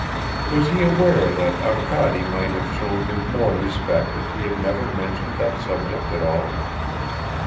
Was he aware that Arkady might have shown him more respect if he had never mentioned that subject at all?